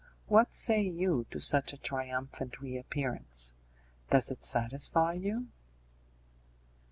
What say you to such a triumphant reappearance? Does it satisfy you?"